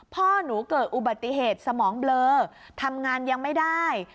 พ่อหนูเกิดอุบัติเหตุสมองเบลอทำงานยังไม่ได้